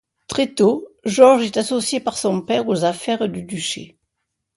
Très tôt, Georges est associé par son père aux affaires du duché.